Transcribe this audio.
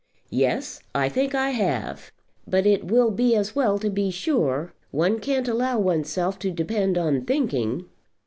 "Yes; I think I have." "But it will be as well to be sure. One can't allow one's self to depend upon thinking."